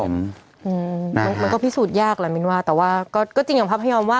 มันก็พิสูจน์ยากแหละมินว่าแต่ว่าก็จริงอย่างพระพยอมว่า